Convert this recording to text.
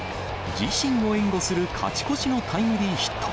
自身を援護する勝ち越しのタイムリーヒット。